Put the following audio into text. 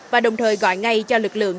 và đồng thời gọi ngay cho lực lượng